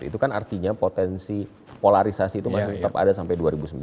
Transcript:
itu kan artinya potensi polarisasi itu masih tetap ada sampai dua ribu sembilan belas